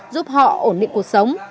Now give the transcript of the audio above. giúp họ ổn định cuộc sống